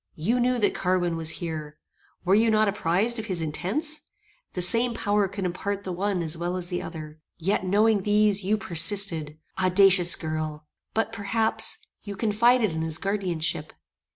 "You knew that Carwin was there. Were you not apprized of his intents? The same power could impart the one as well as the other. Yet, knowing these, you persisted. Audacious girl! but, perhaps, you confided in his guardianship.